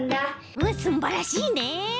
うわすんばらしいね。